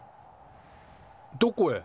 どこへ？